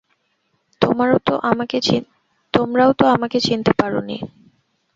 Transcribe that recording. তোমারও তো আমাকে চিনতে পার নি।